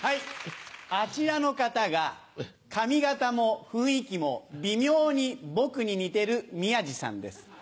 あちらの方が髪形も雰囲気も微妙に僕に似てる宮治さんです。